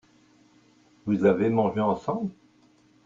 Vous avez mangé ensemble ?